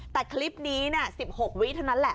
แต่คลิปนี้๑๖วิเท่านั้นแหละ